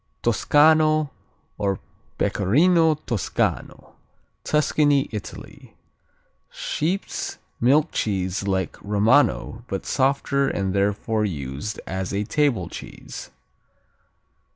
Toscano, or Pecorino Toscano Tuscany, Italy Sheep's milk cheese like Romano but softer, and therefore used as a table cheese.